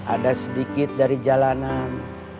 ada sedikit dari jalanan